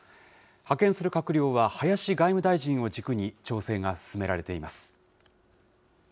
派遣する閣僚は、林外務大臣を軸に調整が進められています。